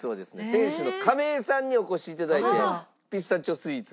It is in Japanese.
店主の亀井さんにお越し頂いてピスタチオスイーツ